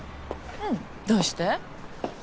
うんどうして？